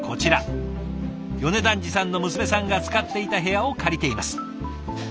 米團治さんの娘さんが使っていた部屋を借りています。